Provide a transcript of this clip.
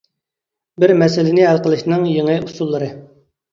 -بىر مەسىلىنى ھەل قىلىشنىڭ يېڭى ئۇسۇللىرى.